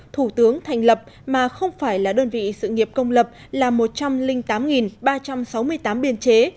thủ tướng thành lập mà không phải là đơn vị sự nghiệp công lập là một trăm linh tám ba trăm sáu mươi tám biên chế